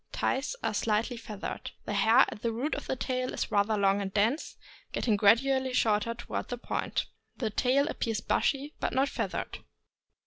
Thighs are slightly feathered. The hair at the root of the tail is rather long and dense, getting gradually shorter toward the point. The tail appears bushy, but not feathered.